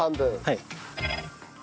はい。